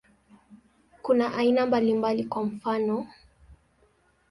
Kuna aina mbalimbali, kwa mfano.